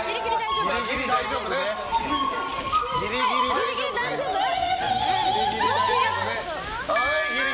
ギリギリ大丈夫ね。